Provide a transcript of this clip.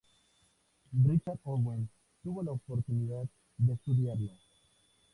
Richard Owen tuvo la oportunidad de estudiarlo.